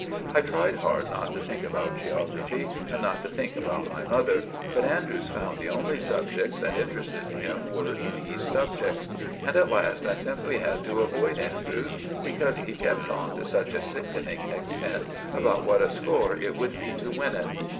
I tried hard not to think about geography and not to think about my mother, but Andrews found the only subjects that interested him were these subjects; and at last I simply had to avoid Andrews, because he kept on to such a sickening extent about what a score it would be to win it.